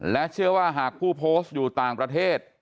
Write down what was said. และเชื่อว่าหากผู้โพสต์อยู่ต่างประเทศ